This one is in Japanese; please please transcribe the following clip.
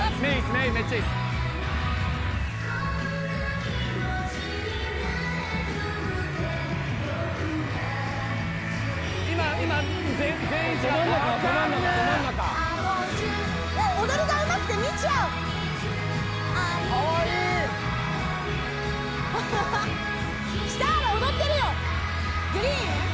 目めっちゃいいっす今全員・ど真ん中ど真ん中踊りがうまくて見ちゃうかわいいシターラ踊ってるよグリーン？